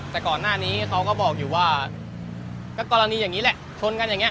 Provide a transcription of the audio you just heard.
แต่ก่อนหน้านี้เขาก็บอกอยู่ว่าก็กรณีอย่างนี้แหละชนกันอย่างนี้